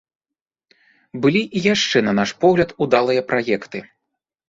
Былі і яшчэ, на наш погляд, удалыя праекты.